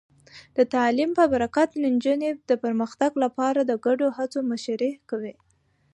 د تعلیم په برکت، نجونې د پرمختګ لپاره د ګډو هڅو مشري کوي.